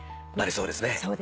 そうですね。